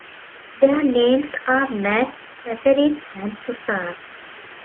Their names are Matt, Katherine and Susan.